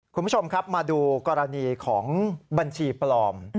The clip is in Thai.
คุณผู้ชมครับมาดูกรณีของบัญชีปลอม